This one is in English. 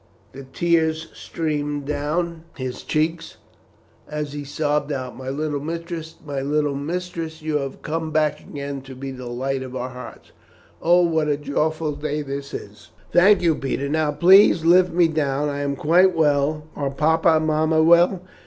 The tears streamed down his cheeks, as he sobbed out, "My little mistress, my little mistress! and you have come back again to be the light of our hearts oh, what a joyful day is this!" "Thank you, Peter. Now, please lift me down. I am quite well. Are papa and mamma well?"